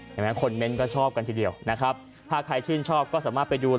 เห็นไหมคนเมนต์ก็ชอบกันทีเดียวนะครับถ้าใครชื่นชอบก็สามารถไปดู